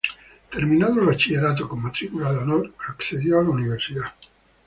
Terminado el bachillerato con matrícula de honor, accedió a la universidad.